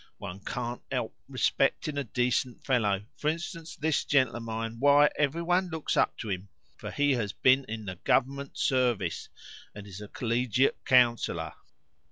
One CAN'T help respecting a decent fellow. For instance, this gentleman of mine why, every one looks up to him, for he has been in the Government's service, and is a Collegiate Councillor."